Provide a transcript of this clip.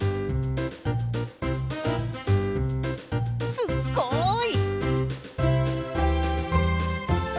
すっごい！